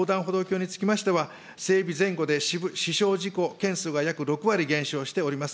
なお新代横断歩道橋につきましては、整備前後で死傷事故件数が約６割減少しております。